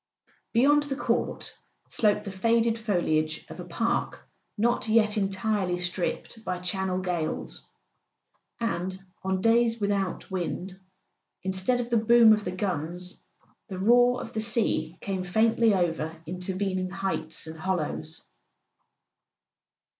Beyond the court sloped the faded foliage of a park not yet entirely stripped by Channel gales; and on days without wind, instead of the boom of the guns, the roar of the sea came faintly over in¬ tervening heights and hollows.